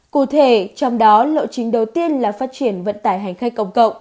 cụ thể trong đó lộ trình đầu tiên là phát triển vận tải hành khách công cộng